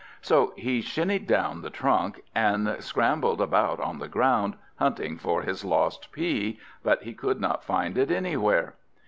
So he shinned down the trunk, and scrambled about on the ground, hunting for his lost pea, but he could not find it anywhere.